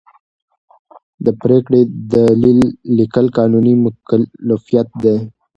د پرېکړې دلیل لیکل قانوني مکلفیت دی.